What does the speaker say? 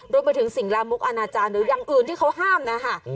รวมไปถึงสิ่งลามกอนาจารย์หรืออย่างอื่นที่เขาห้ามนะคะ